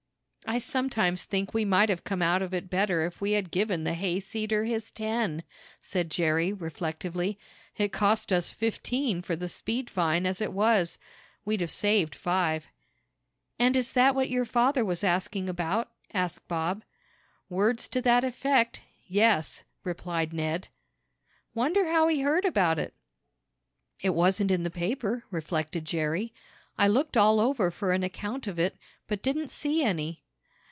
"I sometimes think we might have come out of it better if we had given the hayseeder his ten," said Jerry, reflectively. "It cost us fifteen for the speed fine as it was. We'd have saved five." "And is that what your father was asking about?" asked Bob. "Words to that effect yes," replied Ned. "Wonder how he heard about it?" "It wasn't in the paper," reflected Jerry. "I looked all over for an account of it, but didn't see any."